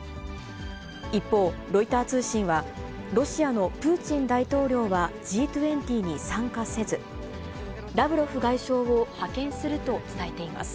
一方、ロイター通信は、ロシアのプーチン大統領はＧ２０に参加せず、ラブロフ外相を派遣すると伝えています。